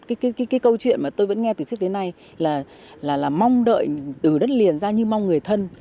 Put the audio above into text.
cái câu chuyện mà tôi vẫn nghe từ trước đến nay là mong đợi từ đất liền ra như mong người thân